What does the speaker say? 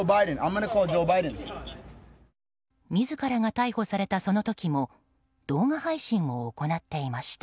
自らが逮捕されたその時も動画配信を行っていました。